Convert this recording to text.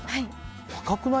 若くない？